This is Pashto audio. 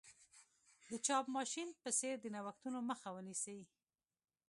د چاپ ماشین په څېر د نوښتونو مخه ونیسي.